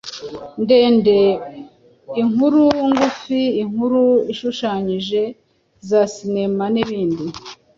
ndende, inkuru ngufi, inkuru ishushanyije, za sinema n’ibindi.